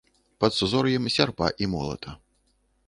Пад сузор'ем сярпа і молата.